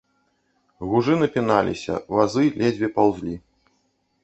Гужы напіналіся, вазы ледзьве паўзлі.